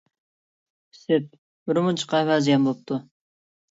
ئىسىت، بىر مۇنچە قەھۋە زىيان بوپتۇ.